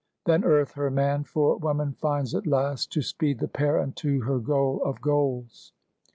Then Earth her man for woman finds at last, To speed the pair unto her goal of goals.